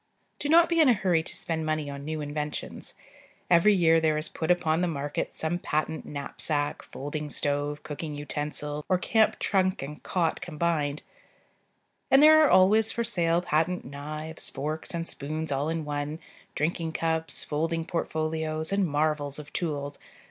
Do not be in a hurry to spend money on new inventions. Every year there is put upon the market some patent knapsack, folding stove, cooking utensil, or camp trunk and cot combined; and there are always for sale patent knives, forks, and spoons all in one, drinking cups, folding portfolios, and marvels of tools.